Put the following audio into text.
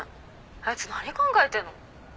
あいつ何考えてんの？